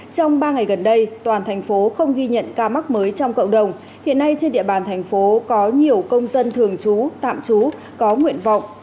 trong ba ngày gần đây toàn thành phố không ghi nhận